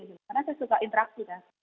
karena saya suka interaksi kak